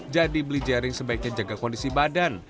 beli jaring sebaiknya jaga kondisi badan